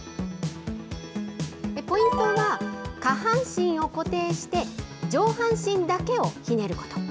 ポイントは、下半身を固定して、上半身だけをひねること。